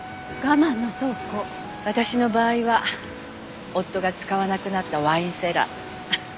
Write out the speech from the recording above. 私の場合は夫が使わなくなったワインセラー。